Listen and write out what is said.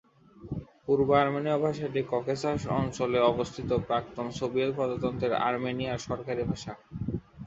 পূর্ব আর্মেনীয় ভাষাটি ককেসাস অঞ্চলে অবস্থিত প্রাক্তন সোভিয়েত প্রজাতন্ত্র আর্মেনিয়ার সরকারি ভাষা।